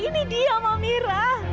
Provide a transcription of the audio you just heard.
ini dia ma mira